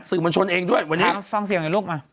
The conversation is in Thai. สื่อมันชนเองด้วยวันนี้ฟังเสียงเดี๋ยวลุกมา